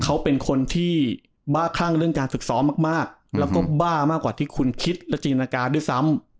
เขาเป็นคนที่บ้าคลั่งเรื่องการฝึกซ้อมมากแล้วก็บ้ามากกว่าที่คุณคิดและจินตนาการด้วยซ้ำ